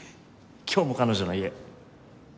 今日も彼女の家。